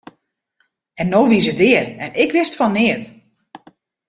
En no wie se dea en ik wist fan neat!